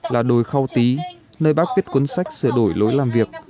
là đồi khao tí nơi bác viết cuốn sách sửa đổi lối làm việc